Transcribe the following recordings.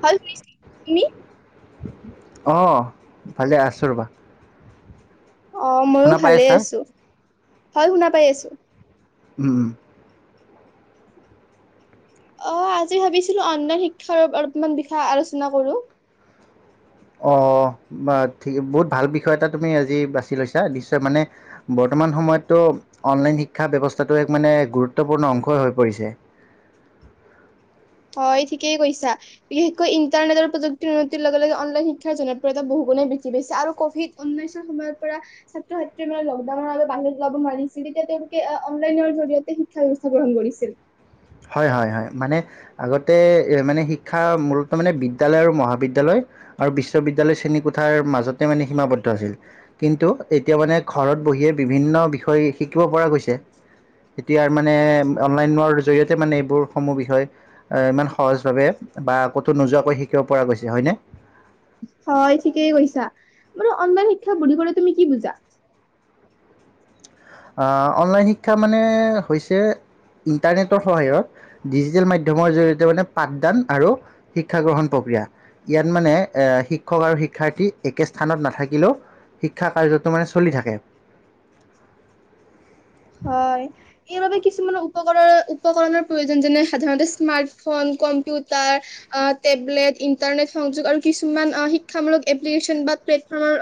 ভাল তুমি [unintelligible] আহ ভালে আছোঁ ৰ'বা অ ময়ো শুনা পাই ভালে আছা? আছোঁ। হয় শুনা পাই আছোঁ। উম। অ' আজি ভাবিছিলো অন্ন শিক্ষাৰ অলপমান বিষয়ে আলোচনা কৰো। অ থিকে, বহুত ভাল বিষয় এটা তুমি আজি বাছি লৈছা নিশ্চয় মানে বৰ্তমান সময়ততো অনলাইন শিক্ষা ব্যৱস্থাটো এক মানে গুৰুত্বপূৰ্ণ অংশই হৈ পৰিছে। হয় ঠিকেই কৈছা বিশেষকৈ ইণ্টাৰনেট আৰু প্ৰযুক্তিৰ উন্নতিৰ লগে লগে অনলাইন শিক্ষাৰ জনপ্ৰিয়তা বহুগুণে বৃদ্ধি পাইছে আৰু কভিড উনৈশৰ সময়ৰ পৰা ছাত্ৰ ছাত্ৰী মানে লকডাউন আৰু বাহিৰ ওলাব নোৱাৰিছিল তেতিয়া তেওঁলোকে অনলাইনৰ জৰিয়তে শিক্ষা ব্যয়ৱস্থা গ্ৰহণ কৰিছিল। হয়, হয়, হয় মানে আগতে মানে শিক্ষা মূলত মানে বিদ্যালয় আৰু মহাবিদ্যালয় আৰু বিশ্ববিদ্য়ালয় শ্ৰেণীকোঠাৰ মাজতে মানে সীমাবদ্ধ আছিল কিন্তু এতিয়া মানে ঘৰত বহিয়ে বিভিন্ন বিষয় শিকিব পৰা গৈছে। এতিয়াৰ মানে অনলাইনৰ জৰিয়তে মানে এইবোৰ সমূহ বিষয় ইমান সহজ ভাৱে বা ক'তো নোযোৱাকৈ শিকিব পৰা গৈছে হয়নে? হয় ঠিকেই কৈছা। মানে অনলাইন শিক্ষা বুলি কলে তুমি কি বুজা? আ' অনলাইন শিক্ষা মানে হৈছে ইণ্টাৰনেটৰ সহায়ত ডিজিটেল মাধ্যমৰ জৰি়য়তে মানে পাঠদান আৰু শিক্ষা গ্ৰহণ প্ৰক্ৰিয়া ইয়াত মানে এ শিক্ষক আৰু শিক্ষাৰ্থী একে স্থানত নাথাকিলেও শিক্ষা কাৰ্যটো মানে চলি থাকে। কৰৰ উপকৰণৰ প্ৰয়োজন যেনে সাধাৰণতে স্মাৰ্টফোন, কম্পিউটাৰ, টেবলেট, ইণ্টাৰনেট সংযোগ আৰু কিছুমান শিক্ষামূলক এপ্লিকেচন বা প্লেটফৰ্মৰ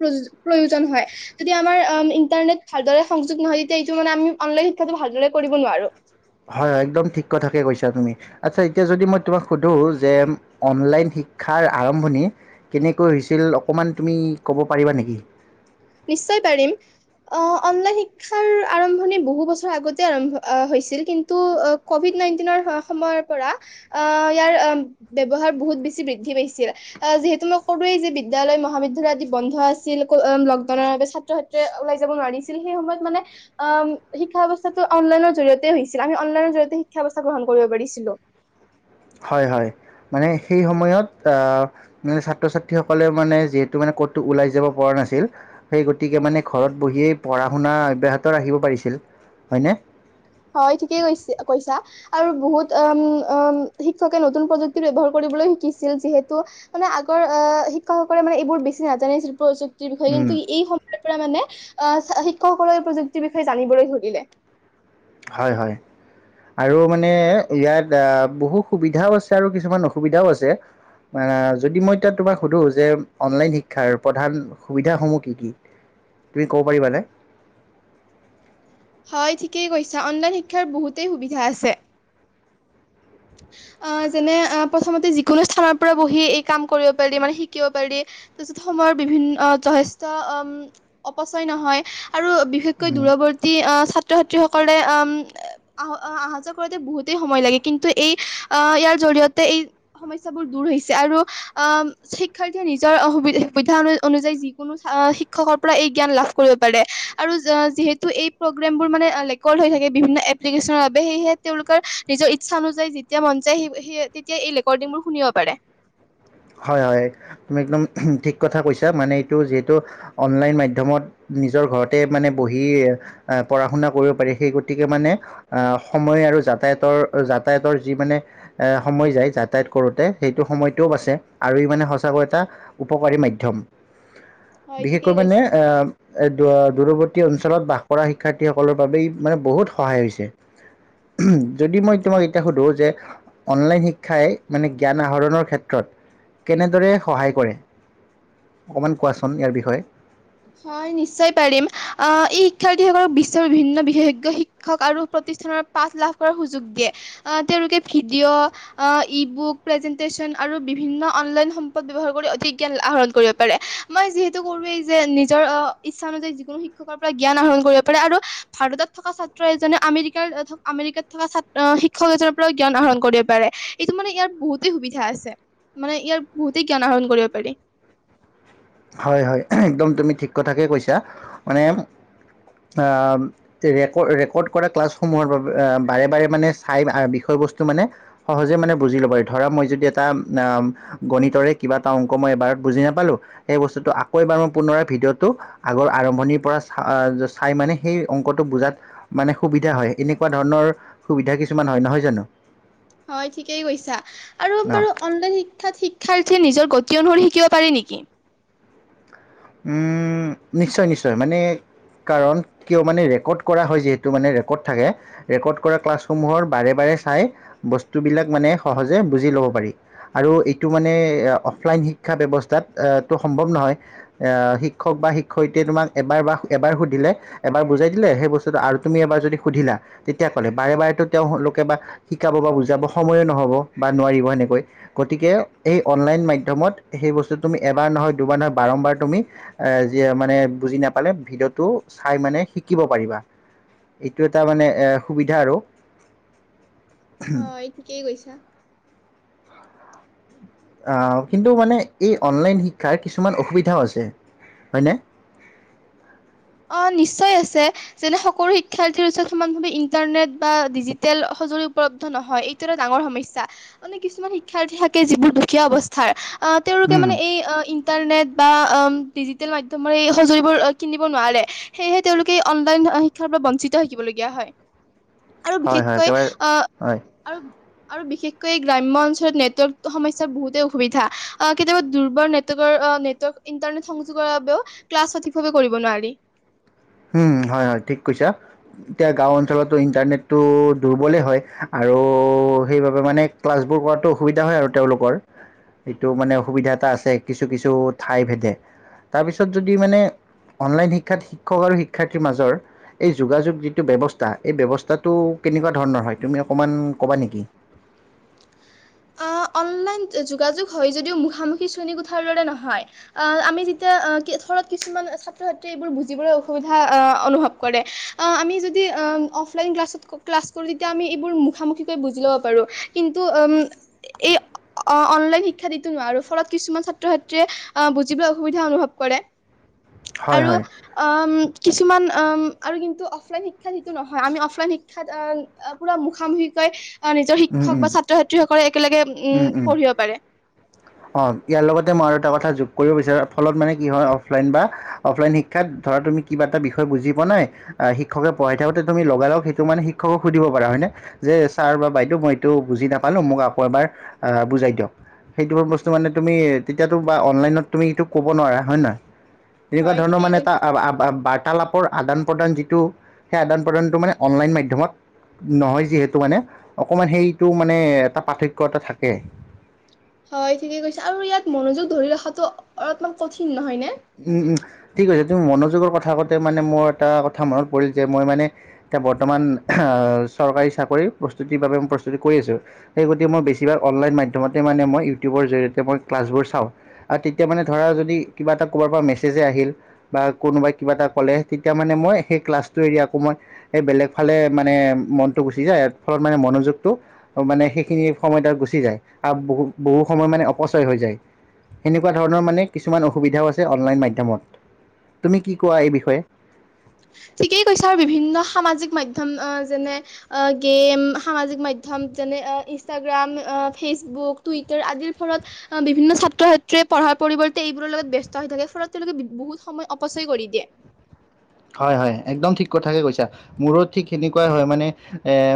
প্ৰ প্ৰয়োজন হয় যদি আমাৰ ইণ্টাৰনেট ভালদৰে সংযোগ নহয় যেতিয়া এইটো মানে আমি অনলাইন শিক্ষাটো ভালদৰে কৰিব নোৱাৰো। হয় হয় একদম ঠিক কথাকে কৈছা তুমি। আচ্ছা, এতিয়া যদি মই তোমাক সুধো যে অনলাইন শিক্ষাৰ আৰম্ভণি কেনেকৈ হৈছিল অকণমান তুমি ক'ব পাৰিবা নেকি। নিশ্চয় পাৰিম। আ' অনলাইন শিক্ষাৰ আৰম্ভণি বহু বছৰ আগতে আৰম্ভ হৈছিল কিন্তু কভিড নাইনটিনৰ সময়ৰ পৰা আহ' ইয়াৰ ব্যয়ৱহাৰ বহুত বেছি বৃদ্ধি পাইছিল যিহেতু মই কলোৱেই যে বিদ্যালয় মহাবিদ্যালয় আদি বন্ধ আছিল। বাবে ছাত্ৰ ছাত্ৰীয়ে ওলাই যাব নোৱাৰিছিল সেই সময়ত মানে আ' শিক্ষা ব্যৱস্থাটো অনলাইনৰ জৰিয়তে হৈছিল আমি অনলাইনৰ জৰিয়তে শিক্ষা্ৱস্থা গ্ৰহণ কৰিব পাৰিছিলো। হয় হয়। মানে সেইসময়ত আ মানে ছাত্ৰ ছাত্ৰীসকলে মানে যিহেতু ক'তো ওলাই যাব পৰা নাছিল সেই গতিকে মানে ঘৰত বহিয়ে পঢ়া শুনা অব্যাহত ৰাখিব পাৰছিল হয় নে? হয় ঠিকেই কৈছে কৈছা আৰু বহুত উম উম শিক্ষকে নতুন প্ৰযুক্তি ব্যৱহাৰ কৰিবলৈ শিকিছিল যিহেতু মানে আগৰ আ' শিক্ষকসকলে মানে এইবোৰ বেছি নাজানিছিল প্ৰযুক্তি। বিষয়ে উম, কিন্তু এই সময়ত মানে আ শিক্ষকসকলৰ প্ৰযুক্তিৰ বিষয়ে জানিবলৈ ধৰিলে। হয়, হয়, আৰু মানে ইয়াত বহু সুবিধাও আছে আৰু কিছুমান অসুবিধাও আছে যদি মই তাত সুধো যে অনলাইন শিক্ষাৰ প্ৰধান সুবিধাসমূহ কি কি তুমি ক'ব পাৰিবানে? হয় ঠিকেই কৈছা অনলাইন শিক্ষাৰ বহুতেই সুবিধা আছে। অ' যেনে অ' প্ৰথমতে যিকোনো স্থানৰ পৰা বহি এই কাম কৰিব পাৰি মানে শিকিব পাৰি তাৰপিছত সময়ৰ বিভিন্ন যথেষ্ট অপচয় নহয়। আৰু বিশেষকৈ দূৰৱৰ্তী ছাত ছাত্ৰ ছাত্ৰীসকলে উম অ' অহা যোৱা কৰোতে বহুতেই সময় লাগে কিন্তু এই, অ'ইয়াৰ জৰিয়তে এই সমস্যাবোৰ দূৰ হৈছে আৰু আহ শিক্ষাৰ্থীয়ে নিজৰ সুবিধা অনুযায়ী যিকোনো শিক্ষকৰ পৰা এই জ্ঞান লাভ কৰিব পাৰে আৰু যিহেতু এই প্ৰগ্ৰেমবোৰ মানে ৰেকৰ্ড হৈ থাকে বিভিন্ন এপ্লিকেশ্যনৰ বাবে সেয়েহে তেওঁলোকৰ নিজৰ ইচ্ছা অনুযায়ী যেতিয়া মন যায় সেই সেই তেতিয়া এই ৰেকৰ্ডিংবোৰ শুনিব পাৰে। হয় হয়, তুমি একদম ঠিক কথা কৈছা মানে এইটো যিহেতু অনলাইন মাধ্যমত নিজৰ ঘৰতে মানে বহি পঢ়া শুনা কৰিব পাৰি সেই গতিকে মানে সময় আৰু যাতায়তৰ যাতায়াতৰ যি মানে সময় যায় যাতায়াত কৰোঁতে সেইটো সময়টোও বাছে। আৰু ই মানে সঁচাকৈ এটা উপকাৰী মাধ্যম। হয় বিশেষকৈ ঠিকেই মানে কৈছা। আ' এ দূৰৱৰ্তী অঞ্চলত বাস কৰা শিক্ষাৰ্থীসকলৰ বাবে মানে বহুত সহায় হৈছে। যদি মই তোমাক এতিয়া সুধো যে অনলাইন শিক্ষাই মানে জ্ঞান আহৰণৰ ক্ষেত্ৰত। কেনেদৰে সহায় কৰে। অকমান কোৱাচোন ইয়াৰ বিষয়ে? হয় নিশ্চয় পাৰিম। অ' এই শিক্ষাৰ্থীসকলক বিশ্বৰ বিভিন্ন বিশেষজ্ঞ শিক্ষক আৰু প্ৰতিষ্ঠানৰ পাঠ লাভ কৰাৰ সুযোগ দিয়ে, অ' তেওঁলোকে ভিডিঅ', অ' ই বুক, প্ৰেজেন্টেচন আৰু বিভিন্ন অনলাইন সম্পদ ব্যৱহাৰ কৰি অতিকে জ্ঞান আহৰণ কৰিব পাৰে মই যিহেতু কলো এই যে নিজৰ অ', ইচ্ছা অনুযায়ী যিকোনো শিক্ষকৰ পৰা জ্ঞান আহৰণ কৰিব পাৰে আৰু ভাৰতত থকা ছাত্ৰ এজনে আমেৰিকাৰ আমেৰিকাত থকা শিক্ষক এজনৰ পৰাও জ্ঞান আহৰণ কৰিব পাৰে, এইটো মানে ইয়াৰ বহুতেই সুবিধা আছে মানে ইয়াৰ বহুতেই জ্ঞান আহৰণ কৰিব পাৰি। হয় হয় একদম তুমি ঠিক কথাকে কৈছা, মানে, আহ ৰেকৰ্ড ৰেকৰ্ড কৰা ক্লাছসমূহৰ বাবে বাৰে বাৰে মানে চাই বিষয় বস্তু মানে সহজে মানে বুজি লব পাৰি ধৰা মই যদি এটা অ' গণিতৰে কিবা এটা অংক মই এবাৰ বুজি নাপালো। সেই বস্তুটো আকৌ এবাৰ মই পুনৰাই ভিডিঅ'টো আগৰ আৰম্ভণিৰ পৰা চাই মানে সেই অংকটো বুজাত মানে সুবিধা হয়, এনেকুৱা ধৰণৰ সুবিধা কিছুমান হয়, নহয় জানো? হয় ঠিকেই কৈছা আৰু অ বাৰু অনলাইন শিক্ষাত শিক্ষাৰ্থীয়ে নিজৰ গ গতি অনুসৰি শিকিব পাৰি নেকি? উম, নিশ্চয় নিশ্চয় মানে কাৰণ, কিয় মানে ৰেকৰ্ড কৰা হয় যিহেতু মানে ৰেকৰ্ড থাকে ৰেকৰ্ড কৰা ক্লাছসমূহৰ বাৰে বাৰে চাই বস্তুবিলাক মানে সহজে বুজি ল'ব পাৰি আৰু এইটো মানে অফলাইন শিক্ষা ব্যৱস্থাত টো সম্ভৱ নহয়। এ, শিক্ষক বা শিক্ষয়িত্ৰীয়ে তোমাক এবাৰ বা এবাৰ সুধিলে এবাৰ বুজাই দিলে সেই বস্তুটো আৰু তুমি এবাৰ যদি সুধিলা তেতিয়া ক'লে বাৰে বাৰেতো তেওঁলোকে বা শিকাব বা বুজাব সময়ো নহ'ব বা নোৱাৰিব সেনেকৈ, গতিকে এই অনলাইন মাধ্যমত সেই বস্তু তুমি এবাৰ নহয় দুবাৰ নহয় বাৰম্বাৰ তুমি, অ' যিয়ে মানে বুজি নাপালে ভিডিঅটো' চাই মানে শিকিব পাৰিবা, এইটো এটা মানে সুবিধা আৰু। অ, এ ঠিকেই কৈছা। আ, কিন্তু মানে এই অনলাইন শিক্ষাৰ কিছুমান অসুবিধাও আছে, হয়নে? অ', নিশ্চয় আছে যেনে সকলো শিক্ষাৰ্থীৰ ওচৰত সমান ভাৱে ইণ্টাৰনেট বা ডিজিটেল সঁজুলি উপলব্ধ নহয় এইটো এটা ডাঙৰ সমস্যা, মানে কিছুমান শিক্ষাৰ্থী থাকে যিবোৰ দুখীয়া অৱস্থাৰ। অ' তেওঁলোকে উম মানে এই ইণ্টাৰনেট বা আ' ডিজিটেল মাধ্যমেৰে সঁজুলিবোৰ কিনি কিনিব নোৱাৰে, সেয়েহে তেওঁলোকে অনলাইন শিক্ষাৰ পৰা বঞ্চিত হৈ থাকিবলগীয়া হয়। আৰু হয় হয় বিশেষকৈ একেবাৰে আহ হয় আৰু আৰু বিশেষকৈ গ্ৰাম্য অঞ্চলত নেটৱৰ্ক সমস্যাৰ বহুতে অসুবিধা, আ কেতিয়াবা দুৰ্বল নেটৱৰ্কৰ নেটৱৰ্ক ইন্টাৰনেট সংযোগৰ বাবেও ক্লাছ সঠিকভাৱে কৰিব ব নোৱাৰি। হুন, হয় হয়, ঠিক কৈছা, এতিয়া গাঁও অঞ্চলতো ইণ্টাৰনেটটো দুৰ্বলেই হয় আৰু সেইবাবে মানে ক্লাছবোৰ কৰাতো অসুবিধা হয় আৰু তেওঁলোকৰ, এইটো মানে অসুবিধা এটা আছে কিছু কিছু ঠাই ভেদে, তাৰপিছত যদি মানে অনলাইন শিক্ষাত শিক্ষক আৰু শিক্ষাৰ্থীৰ মাজৰ এই যোগাযোগ যিটো ব্যৱস্থা এই ব্যৱস্থাটো কেনেকুৱা ধৰণৰ হয় তুমি অকমান কবা নেকি? অ', অনলাইন যোগাযোগ হয় যদিও মুখামুখি শ্ৰেণীকোঠাৰ দৰে নহয় আমি যেতিয়া ধৰক কিছুমান ছাত্ৰ ছাত্ৰীয়ে এইবোৰ বুজিবলৈ অসুবিধা অনুভৱ কৰে আমি যদি অফলাইন ক্লাছত ক্লাছ কৰোঁ তেতিয়া আমি এইবোৰ মুখামুখিকৈ বুজি ল'ব পাৰোঁ কিন্তু উম এই অনলাইন শিক্ষা দিতো নোৱাৰো ফলত কিছুমান ছাত্ৰ ছাত্ৰীয়ে বুজিবলৈ অসুবিধা অনুভৱ কৰে। হয় আৰু হয় অম কিছুমান অম, আৰু কিন্তু অফলাইন শিক্ষাত যিটো নহয় আমি অফলাইন শিক্ষাত পুৰা মুখামুখিকৈ অ' নিজৰ উম শিক্ষক বা উম ছাত্ৰ ছাত্ৰী হওক একেলগে, উম পঢ়িব পাৰে। অ, ইয়াৰ লগতে মই আৰু এটা কথা যোগ কৰিব বিচাৰো ফলত মানে কি হয় অফলাইন বা অফলাইন শিক্ষাত ধৰা তুমি কিবা এটা বিষয় বুজি পোৱা নাই শিক্ষকে পঢ়াই থাকোতে তুমি লগা লগ সেইটো মানে শিক্ষকক সুধিব পাৰা হয়নে যে ছাৰ বা বাইদেউ মই এইটো বুজি নাপালো মোক আকৌ এবাৰ বুজাই দিয়ক সেইটোৰ বস এইটো মানে তুমি, তেতিয়াতো বা অনলাইনত তুমি এইটো ক'ব নোৱাৰা, হয় নে নহয়? তেনেকুৱা হয় ধৰণৰ ঠিকেই মানে এটা কৈছা বাৰ্তালাপৰ আদান প্ৰদান যিটো, সেই আদান প্ৰদানটো মানে অনলাইন মাধ্যমত নহয় যিহেতু মানে অকণমান সেইটো মানে এটা পাৰ্থক্য এটা থাকে। হয় ঠিকে কৈছা আৰু ইয়াত মনোযোগ ধৰি ৰখাটো অলপমান কঠিন নহয় নে? উম, উম, ঠিক আছে তুমি মনোযোগৰ কথা আতে মানে মোৰ এটা কথা মনত পৰিল যে মই মানে এতিয়া বৰ্তমান চৰকাৰী চাকৰিৰ প্ৰস্তুতিৰ বাবে মই প্ৰস্তুতি কৰি আছোঁ সেই গতিকে মই বেছিভাগ অনলাইন মাধ্যমতে মানে মই ইউটিউবৰ জৰিয়তে মই ক্লাছবোৰ চাওঁ আৰু তেতিয়া মানে ধৰা যদি কিবা এটা কবাৰ পৰা মেছেজে আহিল বা কোনোবাই কিবা এটা ক'লে তেতিয়া মানে মই সেই ক্লাছটো এৰি আকৌ মই সেই বেলেগ ফালে মানে মনটো গুচি যায় ফলত মানে মনোযোগটো মানে সেইখিনি সময় তাত গুচি যায় আৰু বহু বহু সময় মানে অপচয় হৈ যায়, সেনেকুৱা ধৰণৰ মানে কিছুমান অসুবিধাও আ ছে লাইন মাধ্যমত, তুমি কি কোৱা এই বিষয়ে? ঠিকেই কৈছা বিভিন্ন সামাজিক মাধ্যম যেনে গেম সামাজিক মাধ্যম যেনে ইনষ্টাগ্ৰাম ফেচবুক টুইটাৰ আদিৰ ফলত বিভিন্ন ছাত্ৰ ছাত্ৰীয়ে পঢ়াৰ পৰিৱৰ্তে এইবোৰৰ লগত ব্যস্ত হৈ থাকে ঘৰত তেওঁলোকে বহুত সময় অপচয় কৰি দিয়ে। হয় হয় একদম ঠিক কথাকে কৈছা মোৰো ঠিক সেনেকুৱাই হয় মানে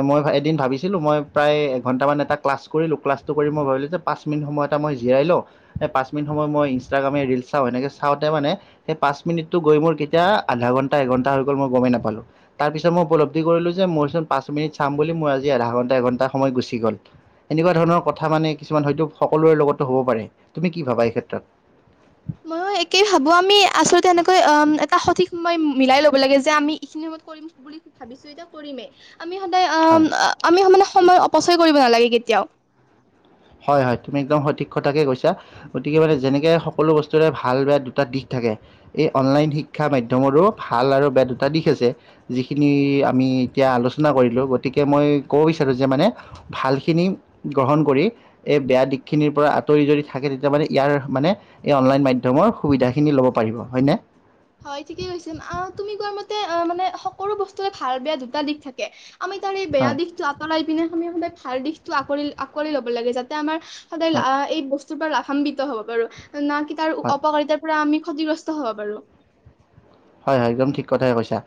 মই এদিন ভাবিছিলোঁ মই প্ৰায় এঘণ্টামান এটা ক্লাছ কৰিলোঁ ক্লাছটো কৰি মই ভাবিলোঁ যে পাঁচ মিনিট সময় এটা মই জিৰাই লওঁ সেই পাঁচ মিনিট সময় মই ইনষ্টাগ্ৰামে ৰিলচ চাওঁ সেনেকৈ চাওঁতে মানে সেই পাঁচ মিনিটটো গৈ মোৰ কেতিয়া আধা ঘণ্টা এঘন্টা হৈ গ'ল মই গমেই নাপালো তাৰ পিছত মই উপলব্ধি কৰিলো যে মইচোন পাঁচ মিনিট চাম বুলি মই আজি আধা ঘন্টা এঘণ্টা সময় গুচি গ'ল এনেকুৱা ধৰণৰ কথা মানে কিছুমান হয়তো সকলোৰে লগতো হ'ব পাৰে। তুমি কি ভাবা এই ক্ষেত্ৰত? ময়ো একেই ভাবো আমি আচলতে এনেকৈ আম, এটা সঠিক সময় মিলাই ল'ব লাগে যে আমি এইখিনি সময়ত কৰিম বুলি ভাবিছো যেতিয়া কৰিমেই। আমি সদায় হয় অ' আমি মানে সময় অ' পচয় কৰিব নালাগে কেতিয়াও হয় হয় তুমি একদম সঠিক কথাকে কৈছা গতিকে মানে যেনেকে সকলো বস্তুৰে ভাল বেয়া দুটা দিশ থাকে এই অনলাইন শিক্ষা মাধ্যমৰো ভাল আৰু বেয়া দুটা দিশ আছে যিখিনি আমি এতিয়া আলোচনা কৰিলোঁ গতিকে মই ক'ব বিচাৰোঁ যে মানে ভালখিনি গ্ৰহণ কৰি এই বেয়া দিশ খিনিৰ পৰা আঁতৰি যদি থাকে তেতিয়া মানে ইয়াৰ মানে এই অনলাইন মাধ্যমৰ সুবিধা খিনি লব পাৰিব হয়নে হয় ঠিকেই কৈছ তুমি কোৱা মতে অ মানে সকলো বস্তুৰে ভাল বেয়া দুটা দিশ থাকে আমি তাৰ এই বেয়া হয় দিশতটো আঁতৰাই পিনে আমি সদায় ভাল দিশতটো আকোৱালি আকোৱালি ল'ব লাগে যাতে আমাৰ সদায় হয় এই বস্তু লাভান্বিত হ'ব পৰো না কিবা তাৰ হয় অপকাৰিতাৰ পৰা আমি ক্ষতিগ্ৰস্ত হ'ব বাৰু হয় হয় একদম ঠিক কথাইে কৈছা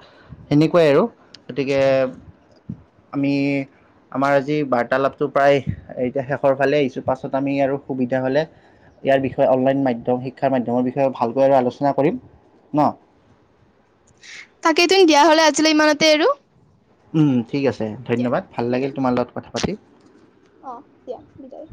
সেনেকুৱাই আৰু গতিকে আমি আমাৰ আজি বাৰ্তালাপটো প্ৰায় এতিয়া শেষৰ ফালে আহিছো পাছত আমি আৰু সুবিধা হ'লে ইয়াৰ বিষয়ে অনলাইন মাধ্যম শিক্ষাৰ মাধ্যমৰ বিষয়ে ভালকৈ আৰু আলোচনা কৰিম ন তাকেই ত দিয়া হলে আজিলে ইমানতে এৰো উম ঠিক আছে দিয়া ধন্যবাদ ভাল লাগিল বিদায়। তোমাৰ লগত কথা, পতি অ' দিয়া বিদায়